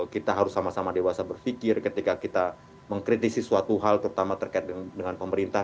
kita harus sama sama dewasa berpikir ketika kita mengkritisi suatu hal terutama terkait dengan pemerintah